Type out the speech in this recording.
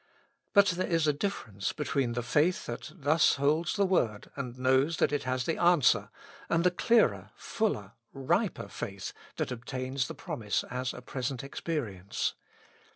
But there is a difference between the faith that thus holds the word and knows that it has the answer, and the clearer, fuller, riper faith that obtains the promise as a present experience.